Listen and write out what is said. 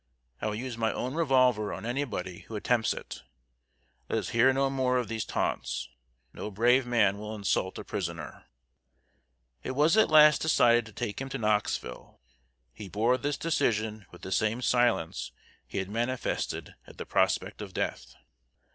I will use my own revolver on anybody who attempts it. Let us hear no more of these taunts. No brave man will insult a prisoner." It was at last decided to take him to Knoxville. He bore this decision with the same silence he had manifested at the prospect of death.